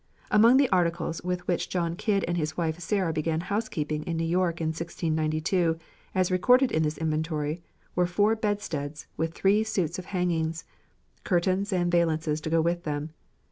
Among the articles with which John Kidd and his wife Sarah began housekeeping in New York in 1692, as recorded in this inventory, were four bedsteads, with three suits of hangings, curtains, and valances to go with them.